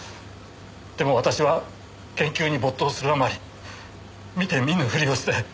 でも私は研究に没頭するあまり見て見ぬふりをして。